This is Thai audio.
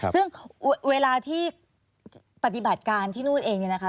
ซึ่งเวลาที่ปฏิบัติการที่นู่นเอง